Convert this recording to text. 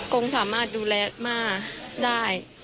งงสามารถดูแลม่าได้